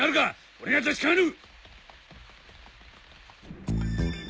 俺が確かめる！